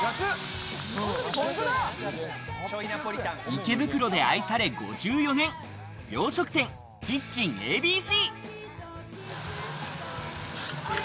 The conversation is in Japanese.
池袋で愛され５４年、洋食店キッチンＡＢＣ。